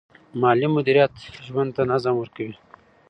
مالي مدیریت ژوند ته نظم ورکوي.